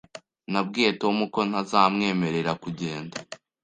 Nabwiye Tom ko ntazamwemerera kugenda.